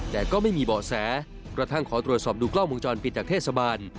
แต่ก็ไม่มีเบาะแสกระทั่งขอตรวจสอบดูกล้องวงจรปิดจากเทศบาล